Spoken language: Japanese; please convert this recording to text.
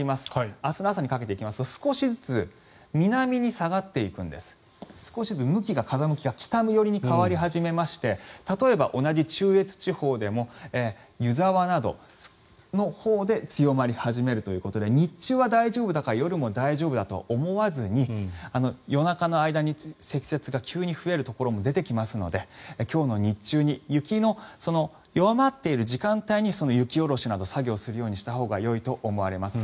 明日の朝にかけていきますと少しずつ南に下がっていくんです少しずつ風向きが北寄りに変わり始めまして例えば同じ中越地方でも湯沢などのほうで強まり始めるということで日中は大丈夫だから夜も大丈夫だと思わずに夜中の間に積雪が急に増えるところも出てきますので今日の日中に雪の弱まっている時間帯に雪下ろしなど作業をするようにしたほうがよいと思われます。